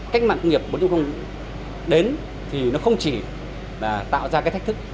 cách mạng công nghiệp bốn đến thì nó không chỉ là tạo ra cái thách thức